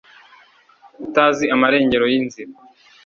utazi amarengero y'inzira